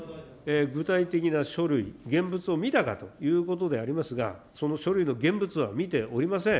具体的な書類、現物を見たかということでありますが、その書類の現物は見ておりません。